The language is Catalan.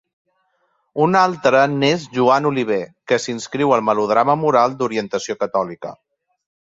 Un altre n'és Joan Oliver, que s'inscriu al melodrama moral d'orientació catòlica.